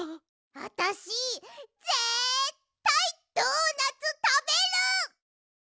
あたしぜったいドーナツたべる！